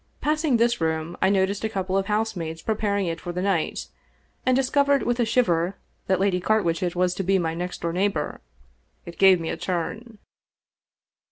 Passing this room I noticed a couple of housemaids preparing it for the night, and discovered with a shiver that Lady Carwitchet was'^>to be my next door neighbor. It gave me a turn.